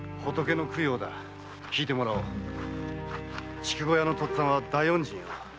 筑後屋の父っつぁんは大恩人よ。